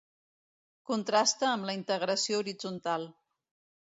Contrasta amb la integració horitzontal.